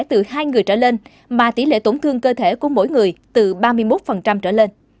từ hai người trở lên mà tỷ lệ tổn thương cơ thể của mỗi người từ ba mươi một trở lên